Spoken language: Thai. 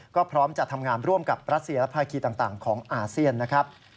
ก็พร้อมจะทำงานร่วมกับรัสเซียและภาคีต่างของอาเซียนนะครับ